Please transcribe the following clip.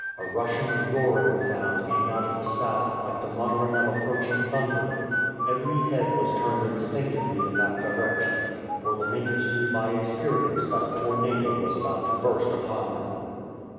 A rushing, roaring sound came out of the south, like the muttering of approaching thunder. Every head was turned instinctively in that direction, for the natives 333 JEHOVAH'S RAIN knew by experience that a tornado was about to burst upon them.